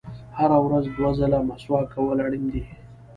• هره ورځ دوه ځله مسواک کول اړین دي.